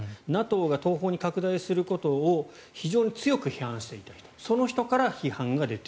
ＮＡＴＯが東方に拡大することを非常に強く批判していた人。